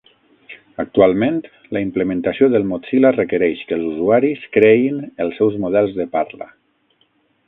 Actualment, la implementació del Mozilla requereix que els usuaris creïn els seus models de parla.